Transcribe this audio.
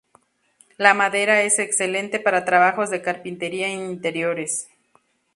La madera es excelente para trabajos de carpintería en interiores.